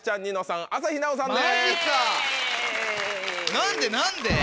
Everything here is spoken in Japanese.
何で何で？